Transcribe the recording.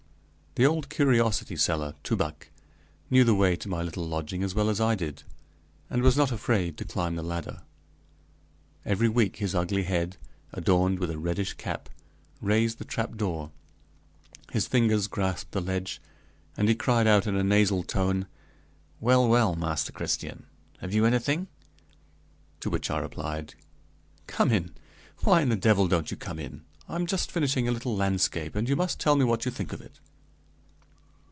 The old curiosity seller, Toubac, knew the way to my little lodging as well as I did, and was not afraid to climb the ladder. Every week his ugly head, adorned with a reddish cap, raised the trapdoor, his fingers grasped the ledge, and he cried out in a nasal tone: "Well, well, Master Christian, have you anything?" To which I replied: "Come in. Why in the devil don't you come in? I am just finishing a little landscape, and you must tell me what you think of it."